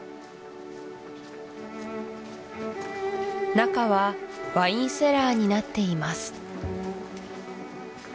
中はワインセラーになっています